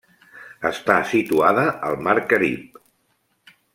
Està situada al mar Carib.